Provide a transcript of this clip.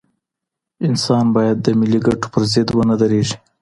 انسان بايد د ملي ګټو پر ضد ونه درېږي.